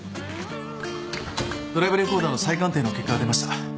ドライブレコーダーの再鑑定の結果が出ました。